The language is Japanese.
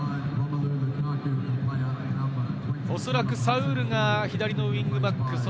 おそらくサウールが左のウイングバック。